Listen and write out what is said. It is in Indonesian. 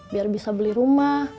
biar bisa beli rumah